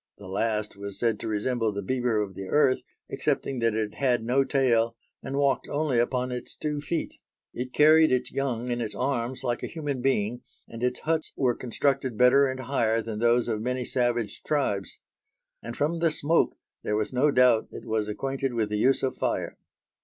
The last was said to resemble the beaver of the earth excepting that it had no tail and walked only upon its two feet. It carried its young in its arms like a human being, and its huts were constructed better and higher than those of many savage tribes; and, from the smoke, there was no doubt it was acquainted with the use of fire.